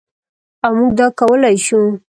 او موږ دا کولی شو.